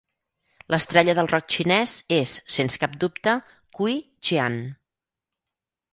L'estrella del rock xinés és, sens cap dubte, Cui Jian.